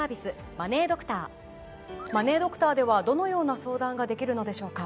マネードクターマネードクターではどのような相談ができるのでしょうか？